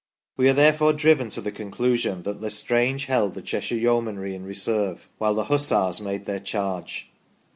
We are therefore driven to the conclusion that 1' Estrange held the Cheshire Yeomanry in reserve while the Hussars made their charge.